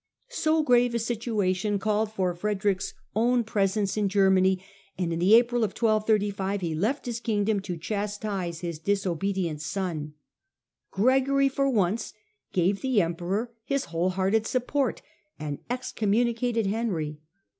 So grave a situation called for Frederick's own presence in Germany, and in the April of 1235 he left his Kingdom to chastise his disobedient son. Gregory for once gave the Emperor his whole hearted support, and excommu nicated Henry.